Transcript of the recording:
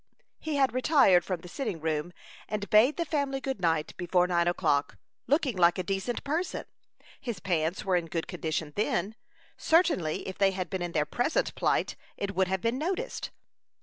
He had retired from the sitting room, and bade the family good night before nine o'clock, looking like a decent person. His pants were in good condition then; certainly, if they had been in their present plight, it would have been noticed.